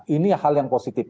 ini hal yang positif